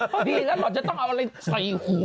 พอดีแล้วหล่อนจะต้องเอาอะไรใส่หัว